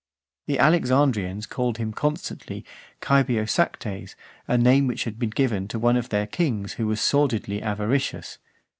The Alexandrians called him constantly Cybiosactes; a name which had been given to one of their kings who was sordidly avaricious.